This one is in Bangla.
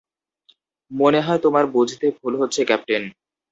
মনে হয় তোমার বুঝতে ভুল হচ্ছে, ক্যাপ্টেন।